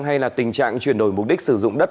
hay là tình trạng chuyển đổi mục đích sử dụng đất